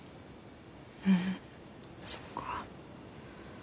うんそっか。